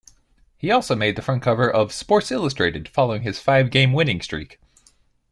He also made the front cover of "Sports Illustrated" following his five-game winning streak.